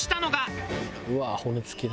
「うわー骨付きだ」